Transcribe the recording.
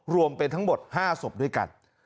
รวมเป็นทั้งหมด๕ศพด้วยกัน